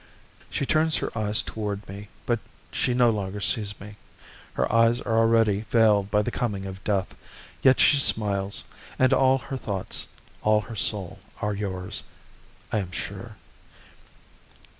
She turns her eyes toward me, but she no longer sees me; her eyes are already veiled by the coming of death; yet she smiles, and all her thoughts, all her soul are yours, I am sure.